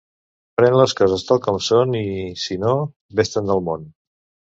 Pren les coses tal com són i, sinó, ves-te'n del món.